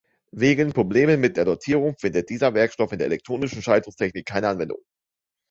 Wegen Problemen mit der Dotierung findet dieser Werkstoff in der elektronischen Schaltungstechnik keine Anwendung.